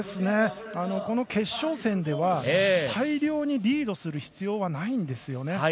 この決勝戦では大量にリードする必要はないんですよね。